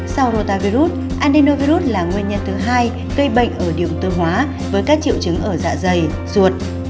sau rotavirus adenovirus là nguyên nhân thứ hai gây bệnh ở điểm tư hóa với các triệu chứng ở dạ dày ruột